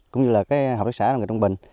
cũng như là hợp đất xã trong bệnh